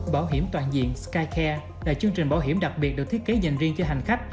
bảo hiểm toàn diện skycare là chương trình bảo hiểm đặc biệt được thiết kế dành riêng cho hành khách